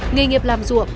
nghề nghiệp làm ruộng